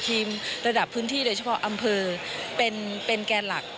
ระดับพื้นที่โดยเฉพาะอำเภอเป็นแกนหลัก